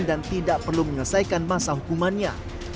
dan tidak perlu mengesaikan masa hukumannya